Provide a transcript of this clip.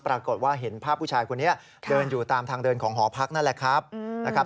ปรากฏว่าเห็นภาพผู้ชายคนนี้เดินอยู่ตามทางเดินของหอพักนั่นแหละครับนะครับ